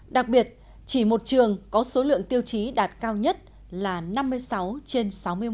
đặc biệt chỉ một trường có số lượng tiêu chí đạt cao nhất là năm mươi sáu trên sáu mươi một